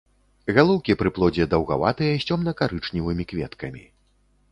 Галоўкі пры плодзе даўгаватыя, з цёмна-карычневымі кветкамі.